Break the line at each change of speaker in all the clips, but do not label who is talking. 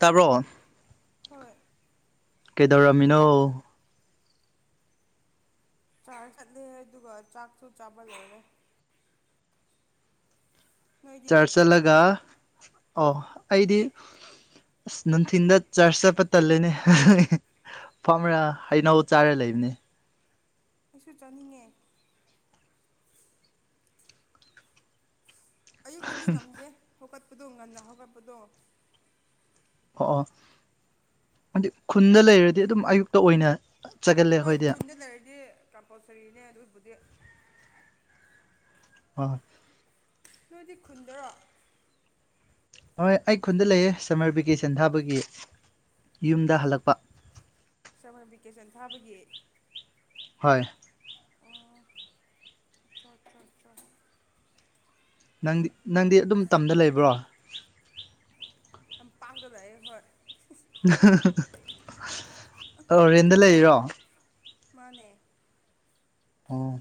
ꯇꯥꯕ꯭ꯔꯣ
ꯍꯣꯏ
ꯀꯩꯗꯧꯔꯝꯃꯤꯅꯣ
ꯆꯥꯔ ꯆꯠꯂꯤ ꯑꯗꯨꯒ ꯆꯥꯛꯁꯨ ꯆꯥꯕ ꯂꯩꯔꯦ ꯅꯣꯏꯗꯤ
ꯆꯥꯔ ꯆꯠꯂꯒ ꯑꯣ ꯑꯩꯗꯤ ꯑꯁ ꯅꯨꯡꯊꯤꯟꯗ ꯆꯔꯆ ꯆꯠꯄ ꯇꯜꯂꯦꯅꯦ ꯐꯝꯔꯥ ꯍꯩꯅꯧ ꯆꯥꯔ ꯂꯩꯅꯤ ꯑꯗꯨꯅꯦ
ꯑꯩꯁꯨ ꯆꯥꯅꯤꯡꯉꯦ ꯑꯌꯨꯛꯇꯨꯗꯤ ꯉꯝꯗꯦ ꯍꯧꯀꯠꯄꯗꯣ ꯉꯟꯅ ꯍꯧꯒꯠꯄꯗꯣ
ꯑꯣ ꯑꯣ ꯍꯥꯏꯗꯤ ꯈꯨꯟꯗ ꯂꯩꯔꯗꯤ ꯑꯗꯨꯝ ꯑꯌꯨꯛꯇ ꯑꯣꯏꯅ ꯆꯠꯒꯜꯂꯦ
ꯍꯣꯏ
ꯑꯩꯈꯣꯏꯗꯤ
ꯈꯨꯟꯗ ꯂꯩꯔꯗꯤ ꯀꯝꯄꯜꯁꯔꯤꯅꯦ ꯑꯗꯨꯒꯤꯕꯨꯗꯤ
ꯑ
ꯅꯣꯏꯗꯤ ꯈꯨꯟꯗꯔꯣ
ꯍꯣꯏ ꯑꯩ ꯈꯨꯟꯗ ꯂꯩꯌꯦ ꯁꯝꯃꯔ ꯚꯦꯀꯦꯁꯟ ꯊꯥꯕꯒꯤ ꯌꯨꯝꯗ ꯍꯜꯂꯛꯄ
ꯁꯝꯃꯔ ꯚꯤꯀꯦꯁꯟ ꯊꯥꯕꯒꯤ
ꯍꯣꯏ
ꯑꯣ ꯑꯆꯥ ꯑꯠꯆꯥ ꯑꯆꯥ
ꯅꯪꯗꯤ ꯅꯪꯗꯤ ꯑꯗꯨꯝ ꯇꯝꯗ ꯂꯩꯕ꯭ꯔꯣ
ꯌꯥꯝ ꯄꯥꯒꯗꯏ ꯍꯣꯏ
ꯑ ꯔꯦꯟꯗ ꯂꯩꯔꯣ
ꯃꯥꯅꯦ
ꯑꯣ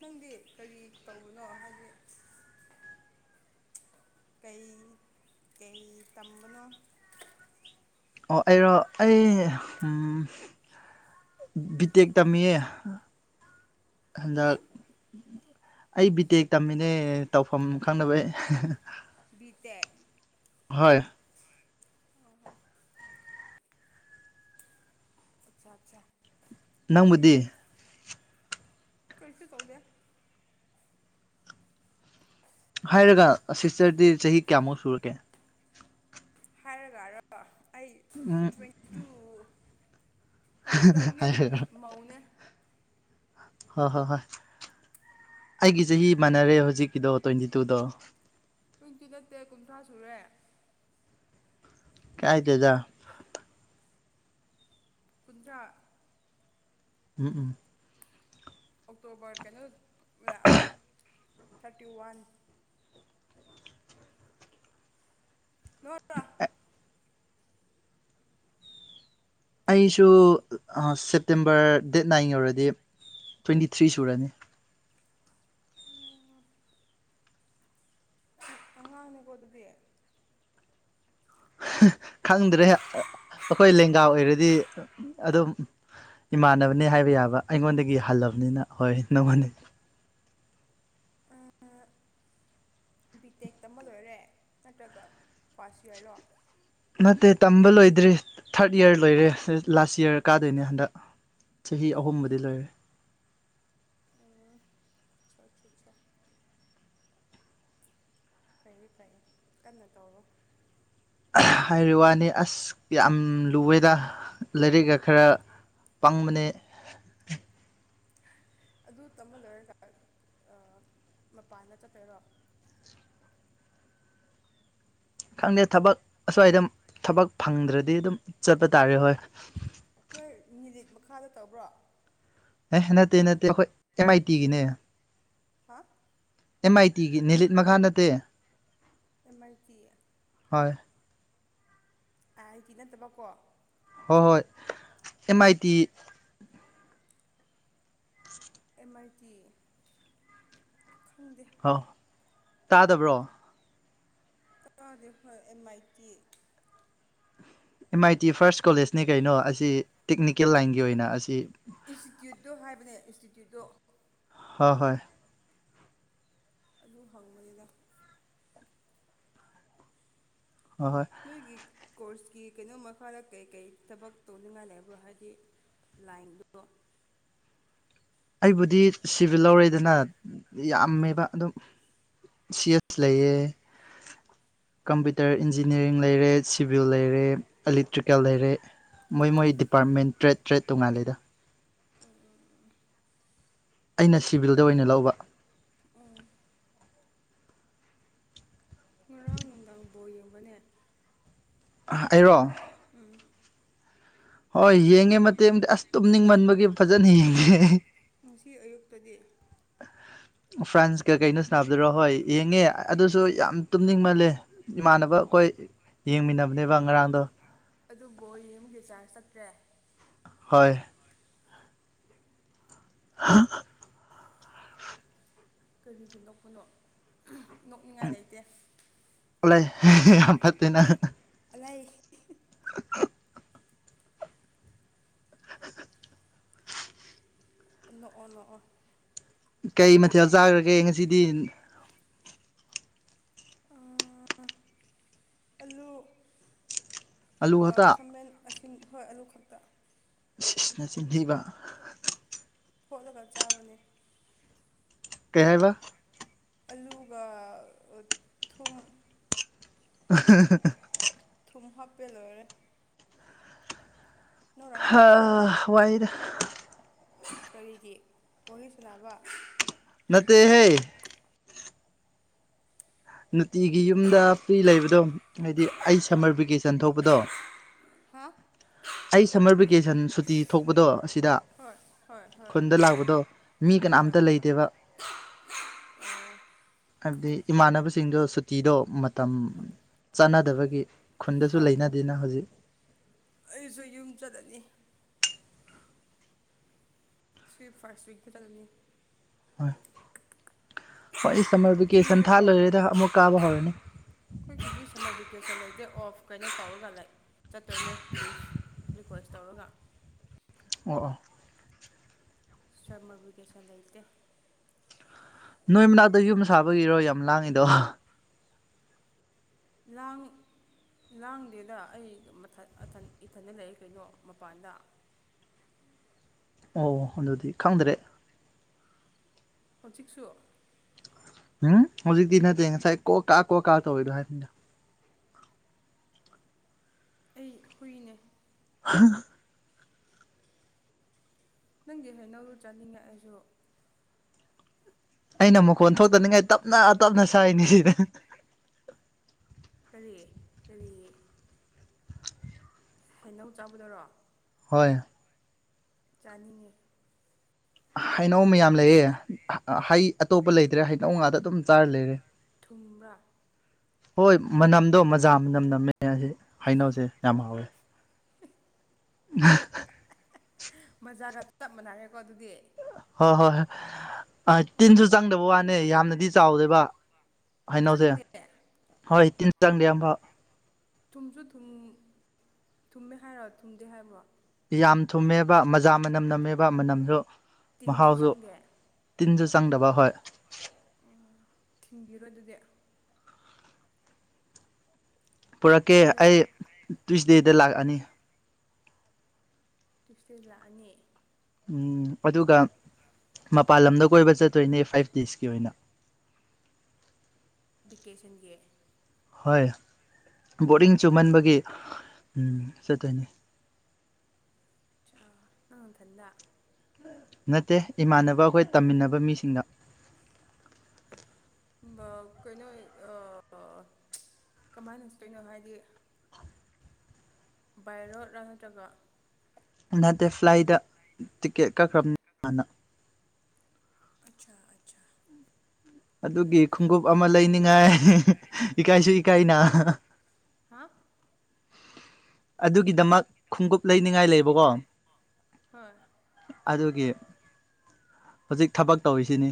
ꯅꯪꯗꯤ ꯀꯔꯤ ꯇꯧꯕꯅꯣ ꯍꯥꯏꯗꯤ ꯀꯩ ꯀꯩ ꯇꯝꯕꯅꯣ
ꯑꯣ ꯑꯩꯔꯣ ꯑꯩ ꯕꯤꯇꯦꯛ ꯇꯝꯃꯤꯌꯦ ꯍꯟꯗꯛ ꯑꯩ ꯕꯤꯇꯦꯛ ꯇꯝꯃꯤꯅꯦ ꯇꯧꯐꯝ ꯈꯪꯅꯕꯩ
ꯠꯇ
ꯍꯣꯏ
ꯑꯣ ꯍ ꯑꯆꯥ ꯑꯆꯥ
ꯅꯪꯕꯨꯗꯤ
ꯀꯩꯁꯨ ꯇꯧꯗꯦ
ꯍꯥꯏꯔꯒ ꯁꯤꯁꯇꯔꯗꯤ ꯆꯍꯤ ꯀꯌꯥꯃꯨꯛ ꯁꯨꯔꯒꯦ
ꯍꯥꯏꯔꯒꯔ ꯑꯩ
ꯎꯝ
ꯐꯥꯒꯤꯇꯞꯅꯦ
ꯍꯥꯏꯔꯒ
ꯃꯎꯅꯦ
ꯍ ꯍꯣꯏ ꯍꯣꯏ ꯑꯩꯒꯤ ꯆꯍꯤ ꯃꯥꯟꯅꯔꯦ ꯍꯧꯖꯤꯛꯀꯤꯗꯣ ꯇ꯭ꯋꯦꯟꯇꯤ ꯇꯨꯗꯣ
ꯀꯨꯡꯁꯨꯨ ꯅꯠꯇꯦ ꯀꯨꯟꯊ꯭ꯔꯥ ꯁꯨꯔꯦ
ꯀꯥꯏ ꯇꯖ
ꯀꯗ꯭ꯔꯥ
ꯎꯝ ꯎꯝ
ꯑꯣꯛꯇꯣꯕꯔ ꯀꯩꯅꯣ ꯂꯥꯛꯑꯗꯤ ꯊꯥꯔꯇꯤ ꯋꯥꯟ ꯅꯣꯡꯠꯇ
ꯑꯩꯁꯨ ꯁꯦꯞꯇꯦꯝꯕꯔ ꯗꯦꯠ ꯅꯥꯏꯟꯒꯤ ꯑꯣꯏꯔꯗꯤ ꯇ꯭ꯋꯦꯟꯇꯤ ꯊ꯭ꯔꯤ ꯁꯨꯔꯅꯤ
ꯑꯉꯥꯡꯅ ꯀꯣ ꯑꯗꯨꯗꯤ
ꯈꯪꯗ꯭ꯔꯦ ꯑꯩꯈꯣꯏ ꯂꯦꯡꯒꯥ ꯑꯣꯏꯔꯗꯤ ꯑꯗꯨꯝ ꯏꯃꯥꯟꯅꯕꯅꯦ ꯍꯥꯏꯕ ꯌꯥꯕ ꯑꯩꯉꯣꯟꯗꯒꯤ ꯍꯜꯂꯕꯅꯤꯅ ꯍꯣꯏ ꯅꯪꯉꯣꯟꯅꯤ
ꯑ [unintelligible] ꯕꯤ ꯇꯦꯛ ꯇꯝꯕ ꯂꯣꯏꯔꯦ ꯅꯠꯇ꯭ꯔꯒ ꯐꯥꯔꯁ ꯌꯌꯥꯔꯂꯣ
ꯅꯠꯇꯦ ꯇꯝꯕ ꯂꯣꯏꯗ꯭ꯔꯤ ꯊꯥꯔꯠ ꯌꯔ ꯂꯣꯏꯔꯦ ꯂꯥꯁ ꯌꯔ ꯀꯥꯗꯣꯏꯅꯦ ꯍꯟꯗꯛ ꯆꯍꯤ ꯑꯍꯨꯝꯕꯨꯗꯤ ꯂꯩꯣꯏꯔꯦ
[inaudible] ꯑ ꯑꯆꯥ ꯑ [unintelligible] ꯐꯩꯌꯦ ꯐꯩ ꯀꯟꯅꯣ ꯇꯧꯔꯣ
ꯍꯥꯏꯔꯤꯕ ꯋꯥꯅꯤ ꯑꯁ ꯌꯥꯝ ꯂꯨꯋꯦꯗ ꯂꯥꯏꯔꯤꯛꯒ ꯈꯔ ꯄ ꯃꯅꯦ
ꯑꯗꯨ ꯇꯝꯍꯗꯣꯏꯔꯀ ꯃꯄꯥꯟꯗ ꯆꯠꯠꯇꯔꯣ
ꯈꯪꯗꯦ ꯊꯕꯛ ꯑꯁ꯭ꯋꯥꯏꯗ ꯊꯕꯛ ꯐꯪꯗ꯭ꯔꯗꯤ ꯑꯗꯨꯝ ꯆꯠꯄ ꯇꯥꯔꯦ ꯍꯣꯏ
ꯅꯣꯏ ꯅꯤꯂꯤꯠ ꯃꯈꯥꯗ ꯇꯧꯕ꯭ꯔꯣ
ꯑꯦ ꯅꯠꯇꯦ ꯅꯠꯇꯦ ꯑꯩꯈꯣꯏ ꯑꯦꯝ ꯑꯥꯏ ꯇꯤꯒꯤꯅꯦ
ꯍꯥ
ꯑꯦꯝ ꯑꯥꯏ ꯇꯤꯒꯤ ꯅꯅꯤꯂꯤꯠ ꯃꯈꯥ ꯅꯠꯇꯦ
ꯑꯃ ꯑꯥꯢ ꯇꯤ
ꯍꯣꯏ
ꯑ ꯍꯥꯏꯗꯤ ꯅꯠꯇꯕꯀꯣ
ꯑꯍꯣꯏ M I T
M I T ꯈꯪꯗꯦ
ꯍ ꯇꯥꯗꯕ꯭ꯔꯣ
ꯇꯦ ꯍꯣꯏ M I T
M I T first ꯀꯣꯂꯦꯖꯅꯤ ꯀꯩꯅꯣ ꯑꯁꯤ ꯇꯦꯛꯅꯤꯀꯦꯜ ꯂꯥꯏꯟꯒꯤ ꯑꯣꯏꯅ ꯑꯁꯤ
ꯏꯟꯁꯇꯤꯇ꯭ꯌꯨꯠꯇꯨ ꯍꯥꯏꯕꯅꯦ ꯏꯟꯁꯇꯤꯇ꯭ꯌꯨꯠꯇꯨ
ꯍꯣꯏ ꯍꯣꯏ
ꯑꯗꯨ ꯍꯪꯕꯅꯤꯗ
ꯍ ꯍꯣꯏ
ꯅꯣꯏꯒꯤ ꯀꯣꯔꯁꯀꯤ ꯀꯩꯅꯣꯝ ꯃꯈꯥꯗ ꯀꯩ ꯀꯩ ꯊꯕꯛ ꯇꯧꯅꯤꯡꯉꯥꯏ ꯂꯩꯕꯣ ꯍꯥꯏꯗꯤ ꯂꯥꯏꯟꯗ
ꯑꯩꯕꯨꯗꯤ ꯁꯤꯚꯤꯜ ꯂꯧꯔꯦꯗꯅ ꯌꯥꯝꯃꯦꯕ ꯑꯗꯨꯝ ꯁꯤ ꯑꯦꯁ ꯂꯩꯌꯦ ꯀꯝꯄ꯭ꯌꯨꯇꯔ ꯏꯟꯖꯤꯅꯤꯌꯥꯔꯤꯡ ꯂꯩꯔꯦ ꯁꯤꯚꯤꯜ ꯂꯩꯔꯦ ꯏꯂꯦꯛꯇ꯭ꯔꯤꯀꯦꯜ ꯂꯩꯔꯦ ꯃꯣꯏ ꯃꯣꯏ ꯗꯤꯄꯥꯔꯠꯃꯦꯟ ꯇ꯭ꯔꯦꯠ ꯇ꯭ꯔꯦꯠ ꯇꯣꯉꯥꯂꯦꯗ ꯑꯩꯅ ꯁꯤꯚꯤꯜꯗ ꯑꯣꯏꯅ ꯂꯧꯕ
ꯎꯝ ꯉꯔꯥꯡ ꯅꯨꯡꯗꯥꯡ ꯐꯥꯎ ꯌꯦꯡꯕꯅꯦ
ꯑꯩꯔꯣ
ꯎꯝ
ꯍꯣꯏ ꯌꯦꯡꯉꯦ ꯃꯇꯦꯡꯗꯤ ꯑꯁ ꯇꯨꯝ ꯅꯤꯡꯃꯟꯕꯒꯤ ꯐꯖꯅ ꯌꯦꯡꯉꯦ
ꯉꯁꯤ ꯑꯌꯨꯛꯇꯗꯤ
ꯐ꯭ꯔꯥꯟꯁꯀ ꯀꯩꯅꯣ ꯁꯅꯥꯅꯕꯗꯨꯔꯣ ꯍꯣꯏ ꯌꯦꯡꯉꯦ ꯑꯗꯨꯁꯨ ꯌꯥꯝ ꯇꯨꯝꯅꯤꯡꯃꯜꯂꯦ ꯏꯃꯥꯟꯅꯕ ꯑꯩꯈꯣꯏ ꯌꯦꯡꯃꯤꯟꯅꯕꯅꯦꯕ ꯉꯔꯥꯡꯗꯣ
ꯇ꯭ꯔ
ꯍꯣꯏ ꯍꯥ
ꯀꯔꯤꯗꯤ ꯅꯣꯛꯄꯅꯣ ꯅꯣꯛꯅꯤꯡꯉꯥꯏ ꯂꯩꯇꯦ
ꯂꯩ ꯌꯥꯝ ꯄꯠꯇꯅ
ꯑꯂ
[inaudible]
ꯅꯣ ꯅꯣ
ꯀꯩ ꯃꯊꯦꯜ ꯆꯥꯈ꯭ꯔꯒꯦ ꯉꯁꯤꯗꯤ
ꯑꯜꯂꯨ
ꯑꯂꯨ
ꯑꯗꯨꯒ
ꯈꯛꯇ
ꯈꯥꯃꯦꯟ ꯑꯁꯤꯟ ꯍꯣꯏ ꯑꯂꯨ ꯈꯛꯇ
ꯁꯤꯅ ꯆꯤꯟꯊꯕ
ꯐꯣꯂꯒ ꯆꯥꯕꯅꯦ
ꯀꯩ ꯍꯥꯏꯥꯏꯕ
ꯑꯂꯨꯒ ꯊꯨꯝ
ꯑ
ꯊꯨꯝ ꯍꯥꯞꯄ ꯂꯣꯏꯔꯦ ꯅꯣꯏꯔꯥ
ꯍꯥ ꯋꯥꯏꯔ
ꯀꯔꯤꯒꯤ ꯀꯣꯂꯤ ꯁꯅꯕ
ꯅꯠꯇꯦꯍꯦ ꯅꯨꯡꯇꯤꯒꯤ ꯌꯨꯝꯗ ꯄ꯭ꯔꯤ ꯂꯩꯕꯗꯣ ꯍꯥꯏꯗꯤ ꯑꯩ ꯁꯝꯃꯔ ꯚꯦꯀꯦꯁꯟ ꯊꯣꯛꯄꯗꯣ
ꯍꯥ
ꯑꯩ ꯁꯝꯃꯔ ꯚꯦꯀꯦꯁꯟ ꯁꯨꯇꯤ ꯊꯣꯛꯄꯗꯣ ꯑꯁꯤꯗ
ꯍꯣꯏ ꯍꯣꯏ ꯍꯣꯏ
ꯈꯨꯟꯗ ꯂꯥꯛꯄꯗꯣ ꯃꯤ
ꯍꯣꯏ
ꯀꯅꯥꯝꯇ ꯂꯩꯇꯦꯕ ꯍꯥꯏꯕꯗꯤ ꯏꯃꯥꯟꯅꯕꯁꯤꯡꯗꯣ ꯁꯨꯇꯤꯗꯣ ꯃꯇꯝ ꯆꯥꯟꯅꯗꯕꯒꯤ ꯈꯨꯟꯗꯁꯨ
ꯍꯣꯏ
ꯂꯩꯅꯗꯦꯅ ꯍꯧꯖꯤꯛ
ꯑꯩꯁꯨ ꯌꯨꯝ ꯆꯠꯂꯅꯤ ꯁꯋꯞ ꯐꯥꯔꯁ ꯋꯤꯛꯇ ꯆꯠꯂꯅꯤ
ꯍꯣꯏ ꯍꯣꯏ ꯑꯩ ꯁꯝꯃꯔ ꯚꯦꯀꯦꯁꯟ ꯊꯥ
ꯆꯤꯡꯗꯀꯣ
ꯂꯣꯏꯔꯦꯗ ꯑꯃꯨꯛ ꯀꯥꯕ ꯍꯧꯔꯅꯤ
ꯗꯦꯛ ꯑꯣꯐ ꯀꯩꯅꯣ ꯇꯧꯔꯒ ꯆꯠꯇꯣꯏꯅꯦ ꯄ꯭ꯂꯤꯁ ꯔꯤꯀ꯭ꯋꯦꯁ ꯇꯧꯔꯒ
ꯑꯣ
ꯁꯃꯕꯤ ꯀꯩꯁꯥ ꯂꯩꯇꯦ
ꯅꯣꯏ ꯃꯅꯥꯛꯇ ꯌꯨꯝ ꯁꯥꯕꯒꯤꯔꯣ ꯌꯥꯝ ꯂꯥꯡꯉꯤꯗꯣ
ꯂꯪ ꯂꯥꯡꯗꯦꯗ ꯑꯩ ꯏꯊꯟꯗ ꯂꯩꯔꯤ ꯀꯩꯅꯣ ꯃꯄꯥꯟꯗ ꯎꯝ
ꯑꯣ ꯑꯗꯨꯗꯤ ꯈꯪꯗ꯭ꯔꯦ
ꯍꯧꯖꯤꯛꯁꯨ
ꯎꯝ ꯍꯧꯖꯤꯛꯇꯤ ꯅꯠꯇꯦ ꯉꯁꯥꯏ ꯀꯣꯛ ꯀꯥ ꯀꯣꯛ ꯀꯥ ꯇꯧꯋꯤꯅꯣ ꯍꯥꯏꯅꯤꯗ
[unintelligible] ꯑꯩ ꯍꯨꯏꯅꯦ
ꯍꯥ
ꯅꯪꯒꯤ ꯍꯩꯅꯧꯔꯨ ꯆꯠꯅꯤꯅꯦ ꯑꯩꯁꯨ
ꯑꯩꯅ ꯃꯈꯣꯟ ꯊꯣꯛꯇꯅꯤꯡꯉꯥꯏ ꯇꯞꯅ ꯇꯞꯅ ꯁꯥꯏꯅꯤ ꯁꯤ
ꯀꯔꯤ ꯀꯔꯤ ꯍꯩꯅꯧꯛ ꯆꯥꯕꯗꯔꯣ
ꯍꯣꯏ
ꯆꯥꯅꯤꯡꯉꯤ
ꯍꯩꯅꯧ ꯃꯌꯥꯝ ꯂꯩꯑꯦ ꯍꯩ ꯑꯇꯣꯞꯄ ꯂꯩꯇ꯭ꯔꯦ ꯍꯩꯅꯧ ꯉꯥꯇ ꯑꯗꯨꯝ ꯆꯥꯔ ꯂꯩꯔꯦ
ꯊꯨꯝꯕ꯭ꯔꯥ
ꯍꯣꯏ ꯃꯅꯝꯗꯣ ꯃꯖꯥ ꯃꯅꯝ ꯅꯝꯃꯦ ꯍꯥꯏꯅꯧꯁꯦ ꯌꯥꯝ ꯍꯥꯎꯋꯦ ꯎ
ꯃꯖꯥꯒ ꯆꯞ ꯃꯥꯟꯅꯔꯦꯀꯣ ꯑꯗꯨꯗꯤ
ꯍꯣꯏ ꯍꯣꯏꯣꯏ ꯑ ꯇꯤꯟꯁꯨ ꯆꯪꯗꯕ ꯋꯥꯅꯦ ꯌꯥꯝꯅꯗꯤ ꯆꯥꯎꯗꯦꯕ ꯍꯩꯅꯧꯁꯦ
ꯆꯪꯗꯦ
ꯍꯣꯏ ꯇꯤꯟ ꯆꯥꯡꯗꯤꯌꯥꯝꯝꯕ
ꯊꯨꯝꯁꯨ ꯊ ꯊꯨꯝꯃꯦ ꯍꯥꯏꯔꯣ ꯊꯨꯝꯗꯦ ꯍꯥꯏꯕ꯭ꯔꯣ
ꯌꯥꯝ ꯊꯨꯝꯃꯦꯕ ꯃꯖꯥ ꯃꯅꯝ ꯅꯝꯃꯦꯕ ꯃꯅꯝꯁꯨ
ꯇꯤꯟꯁꯨ
ꯃꯍꯥꯎꯁꯨ
ꯆꯪꯗꯦ
ꯇꯤꯟꯁꯨ ꯆꯪꯗꯕ ꯍꯣꯏ
ꯊꯤꯟꯕꯤꯔꯣ ꯑꯗꯨꯗꯤ
ꯄꯨꯔꯛꯀꯦ ꯑꯩ ꯇꯨꯏꯁꯗꯦꯗ ꯂꯥꯛꯑꯅꯤ
ꯇ꯭ꯌꯁꯗꯦꯗ ꯂꯥꯛꯑꯅꯤ
ꯎꯝ ꯑꯗꯨꯒ ꯃꯄꯥꯟ ꯂꯝꯗ ꯀꯣꯏꯕ ꯆꯠꯇꯣꯏꯅꯦ ꯐꯥꯏꯚ ꯗꯦꯖꯀꯤ ꯑꯣꯏꯅ
ꯚꯤꯀꯦꯁꯟꯒꯤ
ꯍꯣꯏ ꯕꯣꯔꯗꯤꯡ ꯆꯨꯝꯍꯟꯕꯒꯤ ꯆꯠꯇꯅꯤ
ꯅꯪꯟꯊꯟꯗ
ꯅꯠꯇꯦ ꯏꯃꯥꯟꯅꯕ ꯑꯩꯈꯣꯏ ꯇꯝꯃꯤꯟꯅꯕ ꯃꯤꯁꯤꯡꯗ
ꯀꯩꯅꯣ ꯀꯃꯥꯏꯅꯠꯇꯣꯏꯅꯣ ꯍꯥꯏꯗꯤ ꯚꯥꯏꯔꯣꯠꯂ ꯅꯠꯇ꯭ꯔꯒ
ꯅꯠꯇꯦ ꯐ꯭ꯂꯥꯏꯠꯇ ꯇꯤꯀꯦꯠ ꯀꯛꯈ꯭ꯔꯕꯅ
ꯑꯆꯥ ꯑꯆꯥ
ꯑꯗꯨꯒꯤ
ꯌꯥꯝ
ꯈꯣꯡꯎꯞ
ꯐꯩꯅꯦ
ꯑꯃ ꯂꯩꯅꯤꯡꯉꯥꯏ ꯏꯀꯥꯏꯁꯨ ꯏꯀꯥꯏꯅ
ꯍꯥ
ꯑꯗꯨꯒꯤꯗꯃꯛ ꯈꯣꯡꯎꯞ ꯂꯩꯅꯤꯡꯉꯥꯏ ꯂꯩꯕꯀꯣ
ꯍꯣꯏ
ꯑꯗꯨꯒꯤ ꯍꯧꯖꯤꯛ ꯊꯕꯛ ꯇꯧꯔꯤꯁꯤꯅꯤ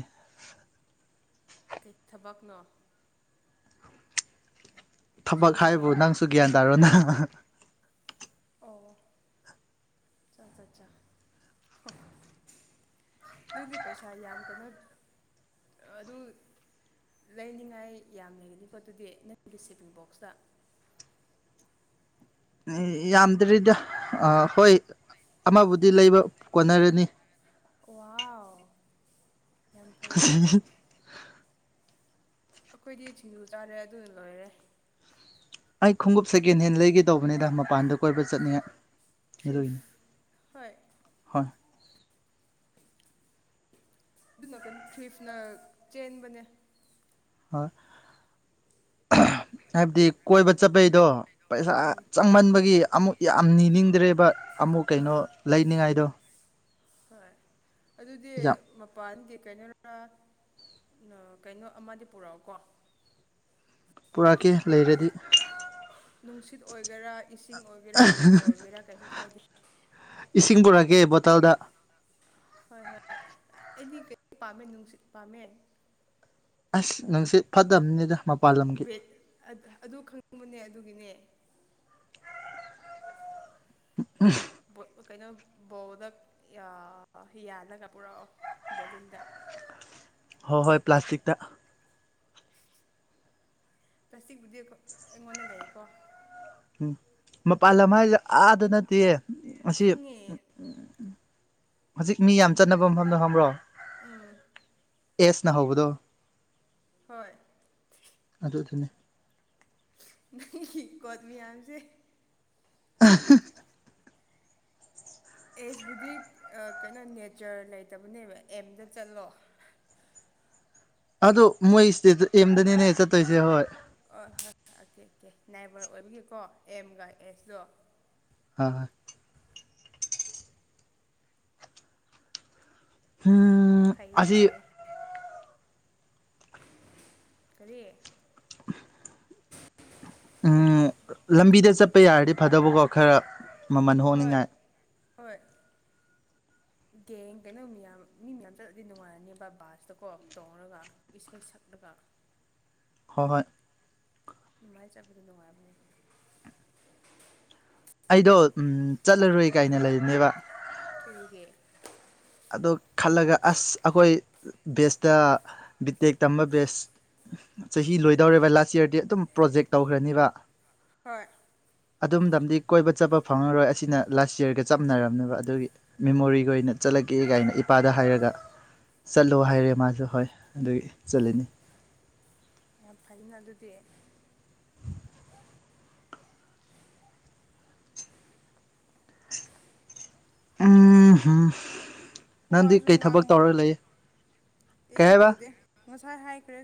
ꯊꯕꯛꯅꯣ
ꯊꯕꯛ ꯍꯥꯏꯕꯨ
ꯖꯨꯒꯥꯂꯤ
ꯅꯪꯁꯨ ꯒ꯭ꯌꯥꯟ ꯇꯥꯔꯣ ꯅ
ꯑꯣ ꯆꯠ ꯆꯠꯆꯥꯥ ꯅꯪꯗꯤ ꯄꯩꯁꯥ ꯌꯥꯝ ꯀꯩꯅꯣ ꯑꯗꯨ ꯂꯩꯅꯤꯉꯥꯏ ꯌꯥꯝ ꯂꯩꯒꯅꯤ ꯄꯣ ꯑꯗꯨꯗꯤ ꯅꯪꯒꯤ ꯁꯦꯞꯚꯤꯡ ꯕꯣꯛꯁꯇ
ꯌꯥꯝꯗ꯭ꯔꯤꯗ ꯑ ꯍꯣꯏ ꯑꯃꯕꯨꯗꯤ ꯂꯩꯕ ꯀꯣꯟꯅꯔꯅꯤ
ꯋꯥ ꯌꯥꯝ ꯐꯩꯅꯦ ꯑꯩꯈꯣꯏꯗꯤ ꯁꯤꯡꯖꯨ ꯆꯥꯔꯦ ꯑꯗꯨ ꯂꯣꯏꯔꯦ
ꯑꯩ ꯈꯣꯡꯎꯞ ꯁꯦꯀꯦꯟ ꯍꯦꯟ ꯂꯩꯒꯦ ꯇꯧꯕꯅꯤꯗ ꯃꯄꯥꯟꯗ ꯀꯣꯏꯕ ꯆꯠꯅꯤ
ꯊ꯭ꯔꯤꯐ ꯍꯣꯏ
ꯍꯣꯏ
ꯑꯗꯨꯅ ꯀꯩꯅꯣ ꯈ꯭ꯔꯤꯐꯅ ꯆꯦꯟꯕꯅꯦ
ꯍꯣꯏ ꯍꯥꯏꯕꯗꯤ ꯀꯣꯏꯕ ꯆꯠꯄꯩꯗꯣ ꯄꯩꯁꯥ ꯆꯪꯃꯟꯕꯒꯤ ꯑꯃꯨꯛ ꯌꯥꯝ ꯅꯤꯅꯤꯡꯗ꯭ꯔꯦꯕ ꯑꯃꯨꯛ ꯀꯩꯅꯣ
ꯍꯣꯏ
ꯂꯩꯅꯤꯡꯉꯥꯏꯗꯣ
ꯍꯣꯏ ꯑꯗꯨꯗꯤ
ꯌꯥꯝ
ꯃꯄꯥꯟꯒꯤ ꯀꯩꯅꯣꯔ ꯀꯩꯅꯣ ꯑꯃꯗꯤ ꯄꯨꯔꯛꯑꯣꯀꯣ
ꯄꯨꯔꯛꯀꯦ ꯂꯩꯔꯗꯤ
ꯅꯨꯡꯁꯤꯠ ꯑꯣꯏꯒꯦꯔꯥ ꯏꯁꯤꯡ ꯑꯣꯏꯒꯦꯔꯥ ꯅꯨꯡ ꯑꯣꯏꯒꯦꯔꯥ ꯀꯩꯁꯨ ꯀꯥꯏꯗꯦ
ꯏꯁꯤꯡ ꯄꯨꯔꯛꯀꯦ ꯕꯣꯇꯜꯗ
ꯍꯣꯏ ꯍꯣꯏꯣꯏ ꯑꯩꯗꯤ ꯀꯩ ꯄꯥꯝꯃꯦ ꯅꯨꯡꯁꯤꯠ ꯄꯥꯝꯃꯦ
ꯑꯁ ꯅꯨꯡꯁꯤꯠ ꯐꯠꯇꯕꯅꯤꯗ ꯂꯝꯒꯤ
ꯑꯗꯨ ꯈꯪꯅꯤꯡꯕꯅꯦ ꯑꯗꯨꯒꯤꯅꯦ
ꯎ
ꯀꯩꯅꯣ ꯕꯣꯜꯗ ꯌꯥꯜꯂꯒ ꯄꯨꯔꯛꯑꯣ ꯕꯦꯂꯨꯟꯗ [unintelligible]
ꯍꯣꯏ ꯍꯣꯏ ꯄ꯭ꯂꯥꯁꯇꯤꯛꯗ
ꯄ꯭ꯂꯥꯁꯇꯤꯛꯕꯨꯗꯤ ꯑꯩꯉꯣꯟꯗ ꯂꯩꯀꯣ
ꯎꯝ ꯃꯄꯥꯜ ꯂꯝ ꯍꯥꯏꯁꯦ ꯑꯥꯗ ꯅꯠꯇꯦ ꯑꯁꯤ
ꯈꯪꯉꯦ
ꯍꯧꯖꯤꯛ ꯃꯤ ꯌꯥꯝ ꯆꯠꯅꯕ ꯃꯐꯝꯗ ꯈꯪꯕ꯭ꯔꯣ
ꯎꯝ
ꯑꯦꯁꯅ ꯍꯧꯕꯗꯣ
ꯍꯣꯏ
ꯑꯗꯨ ꯑꯗꯨꯅꯤ
ꯀꯣꯠ ꯃꯌꯥꯝꯁꯦ
[unintelligible]
ꯑꯦꯁꯕꯨꯗꯤ ꯀꯩꯅꯣ ꯅꯦꯆꯔ ꯂꯩꯇꯕꯅꯦꯕ ꯑꯦꯝꯗ ꯆꯠꯂꯣ [inaudible]
ꯑꯗꯣ ꯃꯣꯏꯁꯤꯗꯗ ꯑꯦꯝꯗꯅꯦꯅꯦ ꯆꯠꯇꯣꯏꯁꯦ ꯍꯣꯏ
ꯍ ꯍꯣꯏꯣꯏ ꯑꯗꯨꯀꯦꯀꯦ ꯅꯥꯏꯕꯔ ꯑꯣꯏꯕꯒꯤꯀꯣ ꯑꯦꯝꯒ ꯑꯦꯁꯇꯣ
ꯑ ꯎꯝ
ꯐꯌꯦ
ꯑꯁꯤ
ꯐꯌꯦ ꯀꯔꯤ
[inaudible] ꯎꯝ ꯂꯝꯕꯤꯗ ꯆꯠꯄ ꯌꯥꯔꯗꯤ ꯐꯗꯧꯕꯀꯣ ꯈꯔ ꯃꯃꯜ
ꯍꯣꯏ
ꯍꯣꯡꯅꯤꯡꯉꯥꯏ
ꯍꯣꯏ ꯒꯦꯡ ꯀꯩꯅꯣ ꯃꯤꯌꯥꯝ ꯃꯤ ꯃꯌꯥꯝ ꯆꯠꯂꯗꯤ ꯅꯨꯡꯉꯥꯏꯔꯅꯦꯕ ꯕꯥꯁꯇꯀꯣ ꯇꯣꯡꯔꯒ ꯏꯁꯩ ꯁꯛꯂꯒ [inaudible]
ꯍꯍꯣꯏ
ꯑꯗꯨꯃꯥꯢ ꯠꯕꯗꯣ ꯅꯨꯡꯉꯥꯏꯕꯅꯤ
ꯑꯩꯗꯣ ꯎꯝ ꯆꯠꯂꯔꯣꯏ ꯀꯥꯏꯅ ꯂꯩꯕꯅꯦꯕ
ꯀꯔꯤꯒꯤ
ꯑꯗꯣ ꯈꯟꯂꯒ ꯑꯁ ꯑꯩꯈꯣꯢ ꯕꯦꯁ ꯇꯥ ꯕꯤꯇꯦꯛ ꯇꯝꯕ ꯕꯦꯁ ꯆꯍꯤ ꯂꯣꯏꯗꯧꯔꯦ
ꯍꯣꯏ
ꯑꯗꯣꯝꯗꯝꯗꯤ ꯀꯣꯏꯕ ꯆꯠꯄ ꯐꯪꯉꯔꯣꯏ ꯑꯁꯤꯅ ꯂꯥꯁ ꯢꯌꯥꯔ ꯒ ꯆꯝ ꯃꯅꯔꯦꯕ ꯆꯠꯂꯒꯦ ꯀꯥꯏꯅ ꯏꯄꯥꯗ ꯍꯥꯏꯔꯒ ꯆꯠꯂꯣ ꯍꯥꯏꯔꯦ ꯃꯥꯁꯨꯦ ꯍꯣꯏ ꯑꯗꯨꯒꯤ ꯆꯠꯂꯤꯅꯤ
ꯌꯥꯝ ꯐꯅ ꯑꯗꯨꯗꯤ
ꯑ ꯍꯥ
ꯋꯥꯁꯨ ꯉꯥꯡꯕ
ꯀꯩ
ꯑꯩꯁꯨ
ꯍꯥꯏꯕ
ꯇꯧꯗꯦ ꯉꯁꯥꯏ ꯍꯥꯏꯈ꯭ꯔꯦ